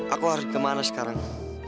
aku harus kemana sekarang